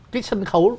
cái sân khấu